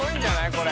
これ。